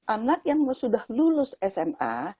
anak yang sudah lulus sma